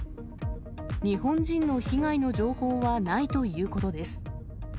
日本人の被害の情報はないということです。